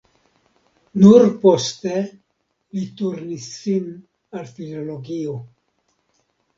Nur poste li turnis sin al filologio.